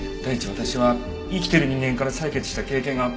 私は生きてる人間から採血した経験が。